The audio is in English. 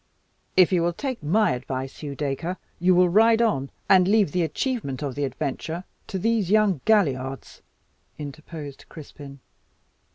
"If you will take my advice, Hugh Dacre, you will ride on, and leave the achievement of the adventure to these young galliards," interposed Cryspyn.